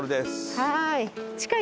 はい！